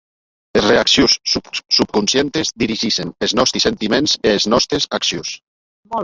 Es reaccions subconscientes dirigissen es nòsti sentiments e es nòstes accions.